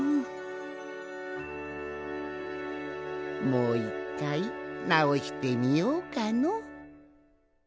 もう１かいなおしてみようかの。